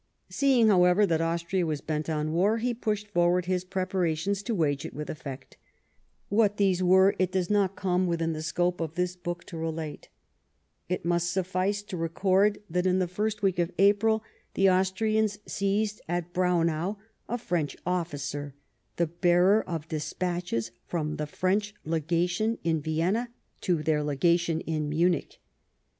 Seeing, however, that Austria was bent on war, he pushed forward his preparations to wage it with effect. What these were it does not come within the scope of this book ♦ Hidoire du Consulat et de V Empire, tome x., pp. 78, 79. THE EMBASSY TO PARIS. 45 to relate. It must suffice to record that, in the first week of April, the Austrians seized, at Braunau, a French officer, the bearer of despatches from the French lega tion in Vienna to their legation in Munich.